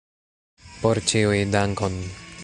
Por ĉiuj, dankon!